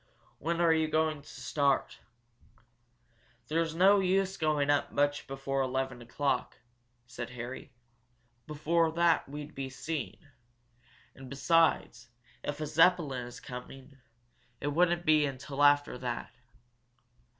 "When are you going to start?" "There's no use going up much before eleven o'clock," said Harry. "Before that we'd be seen, and, besides, if a Zepplin is coming, it wouldn't be until after that.